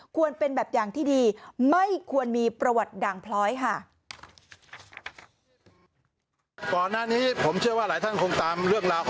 ควรเป็นแบบอย่างที่ดีไม่ควรมีประวัติด่างเพล้า